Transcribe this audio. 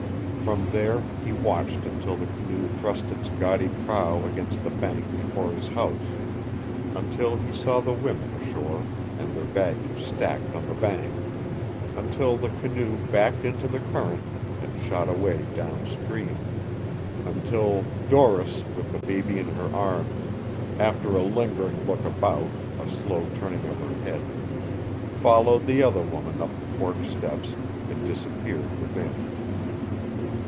From there he watched until the canoe thrust its gaudy prow against the bank before his house, until he saw the women ashore and their baggage stacked on the bank, until the canoe backed into the current and shot away downstream, until Doris with the baby in her arms after a lingering look about, a slow turning of her head followed the other woman up the porch steps and disappeared within.